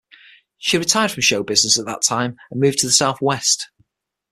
She retired from show business at that time and moved to the Southwest.